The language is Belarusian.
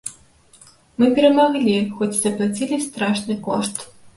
Мы перамаглі, хоць і заплацілі страшны кошт.